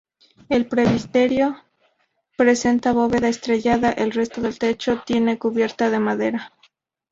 El presbiterio presenta bóveda estrellada; el resto del techo tiene cubierta de madera.